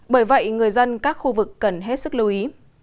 bởi vậy người dân các khu vực cần hết sức lưu ý